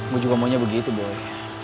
gue juga maunya begitu boy